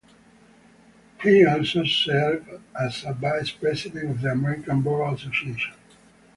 He also served as a vice-president of the American Bar Association.